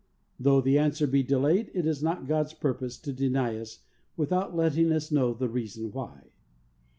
Though the answer be delayed, it is not God's purpose to deny us without letting us know the reason why.